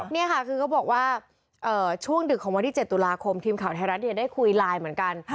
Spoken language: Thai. นี่ค่ะคือเขาบอกว่าช่วงดึกของวันที่๗ตุลาคมทีมข่าวไทยรัฐได้คุยไลน์เหมือนกัน